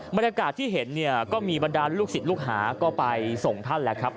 บรรยากาศที่เห็นเนี่ยก็มีบรรดาลูกศิษย์ลูกหาก็ไปส่งท่านแหละครับ